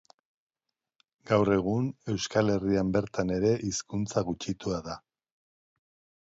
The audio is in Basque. Gaur egun, Euskal Herrian bertan ere hizkuntza gutxitua da